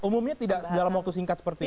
umumnya tidak dalam waktu singkat seperti ini